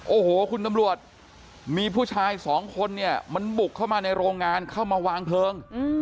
โอ้โหคุณตำรวจมีผู้ชายสองคนเนี่ยมันบุกเข้ามาในโรงงานเข้ามาวางเพลิง